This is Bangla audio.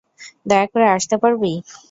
দয়া করে আসতে পারবি?